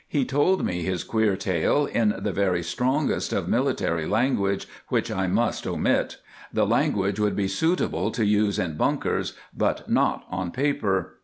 He told me his queer tale in the very strongest of military language, which I must omit. The language would be suitable to use in bunkers, but not on paper.